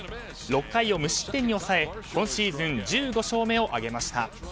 ６回を無失点に抑え今シーズン１５勝目を挙げました。